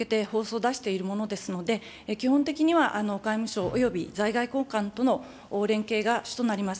海外に向けて放送を出しているものですので、基本的には外務省および在外公館との連携が主となります。